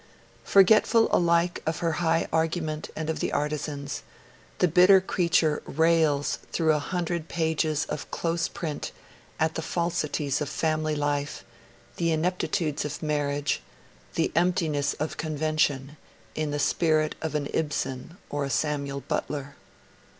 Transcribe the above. Forgetful alike of her high argument and of the artisans, the bitter creature rails through a hundred pages of close print at the falsities of family life, the ineptitudes of marriage, the emptinesses of convention, in the spirit of an Ibsen or a Samuel Butler.